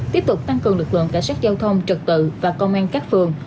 tiếp tục tăng cường lực lượng cả sát giao thông trực tự và công an các phường